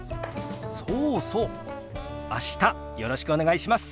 そうそう明日よろしくお願いします。